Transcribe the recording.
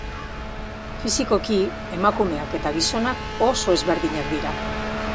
Fisikoki, emakumeak eta gizonak oso ezberdinak dira.